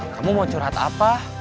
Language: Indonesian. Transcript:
kamu mau curhat apa